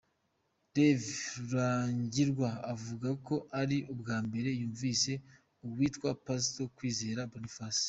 Rev Rurangirwa avuga ko ari ubwa mbere yumvise uwitwa Pastor Kwizera Boniface .